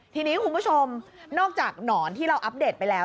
ทีนี้คุณผู้ชมนอกจากหนอนที่เราอัปเดตไปแล้ว